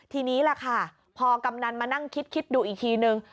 ทีนี้แหละค่ะพอกำนันมานั่งคิดดูอีกทีนึง